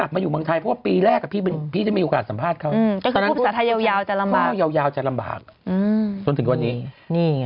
ผมเมื่อกี๊ไม่ได้เบอกันจะไม่ถึงวันนี้